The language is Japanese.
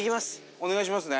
お願いしますね。